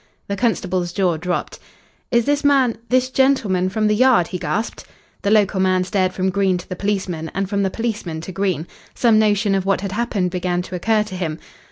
The constable's jaw dropped. "Is this man this gentleman from the Yard?" he gasped. The local man stared from Green to the policeman, and from the policeman to Green. Some notion of what had happened began to occur to him.